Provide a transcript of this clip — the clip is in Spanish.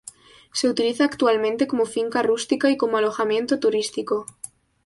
Se utiliza actualmente como finca rústica y como alojamiento turístico.